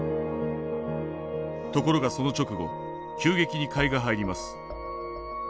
ところがその直後急激に買いが入ります。